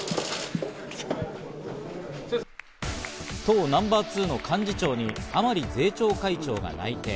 党ナンバー２の幹事長に甘利税調会長が内定。